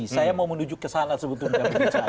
saya mau menuju ke sana sebetulnya